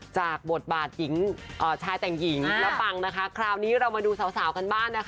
จากบทบาทชายแต่งหญิงและปังคราวนี้เรามาดูสาวกันบ้าน